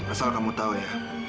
asal kamu tahu ya